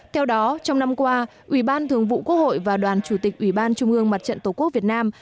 theo đó trong năm qua ủy ban thường vụ quốc hội và đoàn chủ tịch ủy ban trung ương mặt trận tổ quốc việt nam